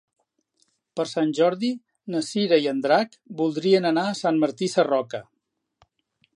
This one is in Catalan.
Per Sant Jordi na Cira i en Drac voldrien anar a Sant Martí Sarroca.